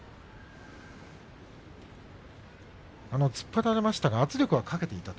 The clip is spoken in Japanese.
突っ張られましたが圧力はかけていたと。